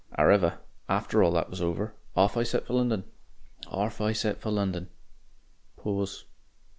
"Ar'ever after all that was over, off I set for London.... Orf I set for London." Pause.